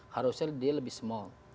harusnya dia lebih small